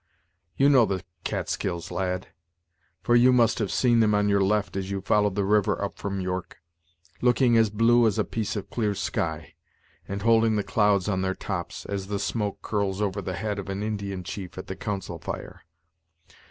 You know the Catskills, lad; for you must have seen them on your left, as you followed the river up from York, looking as blue as a piece of clear sky, and holding the clouds on their tops, as the smoke curls over the head of an Indian chief at the council fire.